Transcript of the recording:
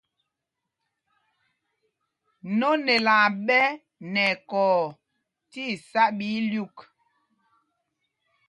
Nonel aa ɓɛ nɛ ɛkɔɔ tí isá ɓɛ ílyûk.